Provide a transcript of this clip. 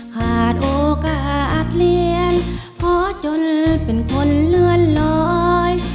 คาดโอกาสเรียนก็จนเป็นคนเลวนร้อย